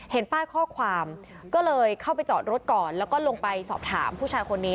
ป้ายข้อความก็เลยเข้าไปจอดรถก่อนแล้วก็ลงไปสอบถามผู้ชายคนนี้